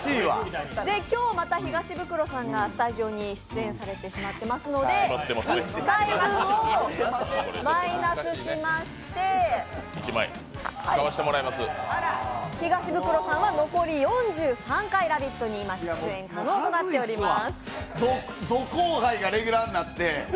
今日また東ブクロさんがスタジオに出演されてしまっていますので、１回分をマイナスしまして東ブクロさんは残り４３回「ラヴィット！」に出演可能となっています。